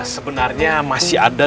sebenarnya masih ada